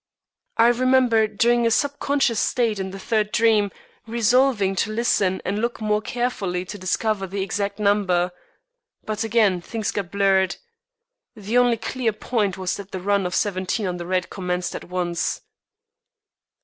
I remember, during a sub conscious state in the third dream, resolving to listen and look more carefully to discover the exact number. But again things got blurred. The only clear point was that the run of seventeen on the red commenced at once."